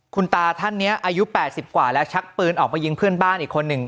คุณตาท่านนี้อายุ๘๐กว่าแล้วชักปืนออกมายิงเพื่อนบ้านอีกคนหนึ่ง